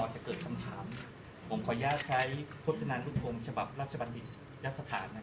จริงจริงไม่ใช่ข้อข้อกังวลของบนนะครับความว่า